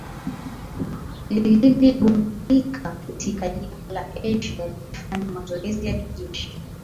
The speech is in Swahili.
lilili gundulika katika jimbo la asia likifanya mazoezi ya kijeshi